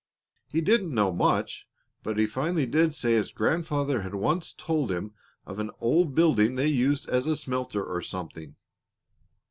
He didn't know much, but he finally did say his grandfather had once told him of an old building they used as a smelter, or something."